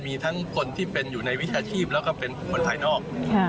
มีทั้งคนที่เป็นอยู่ในวิชาชีพแล้วก็เป็นคนภายนอก